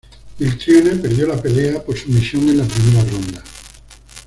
Mitrione perdió la pelea por sumisión en la primera ronda.